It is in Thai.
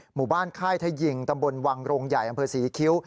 หมู่บ้านค่ายทะยิงตำบลวังโรงใหญ่อำเภอศรีคิ้ว